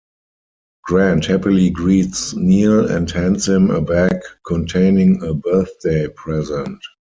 Grant happily greets Neal, and hands him a bag containing a 'birthday present.